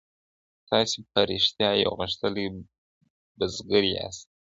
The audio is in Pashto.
تاسي په رښتیا یو غښتلی بزګر یاست.